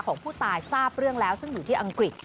ของผู้ตายทราบเรื่องแล้วซึ่งอยู่ที่อังกฤษ